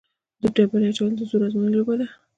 د ډبرې اچول د زور ازموینې لوبه ده.